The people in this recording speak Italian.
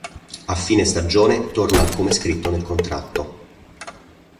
A fine stagione torna al come scritto nel contratto.